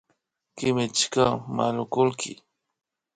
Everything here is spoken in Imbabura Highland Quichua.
Kimichishka manukullki